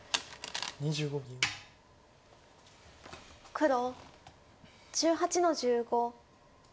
黒１８の十五。